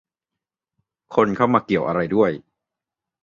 คนเข้ามาเกี่ยวอะไรด้วย